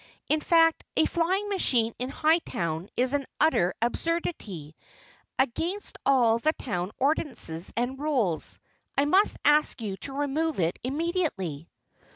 In fact a flying machine in Hightown is an utter absurdity against all the town ordinances and rules. I must ask you to remove it immediately."